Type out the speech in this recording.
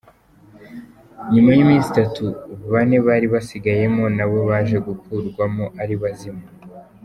Nyuma y’iminsi itatu bane bari basigayemo na bo baje gukurwamo ari bazima.